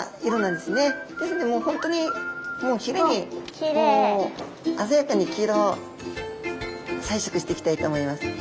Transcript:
ですのでもう本当にもうひれに鮮やかに黄色彩色していきたいと思います。